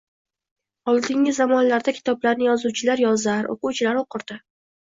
Oldingi zamonlarda kitoblarni yozuvchilar yozar, oʻquvchilar oʻqirdi